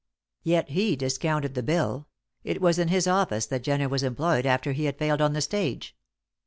"Yet he discounted the bill. It was in his office that Jenner was employed after he had failed on the stage."